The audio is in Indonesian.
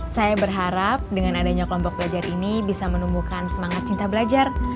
saya berharap dengan adanya kelompok belajar ini bisa menumbuhkan semangat cinta belajar